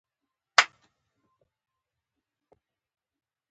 د پښتني فوکلوري نظمونو یو بل صنف دی.